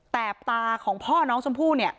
แต่ตาของพ่อน้องชมพู่